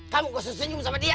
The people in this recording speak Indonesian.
kamu gak usah senyum sama dia